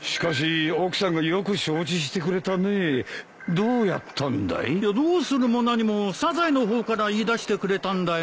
どうするも何もサザエの方から言いだしてくれたんだよ。